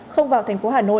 không vào thành phố hà nội